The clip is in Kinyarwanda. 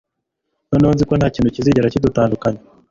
noneho nzi ko ntakintu kizigera kidutandukanya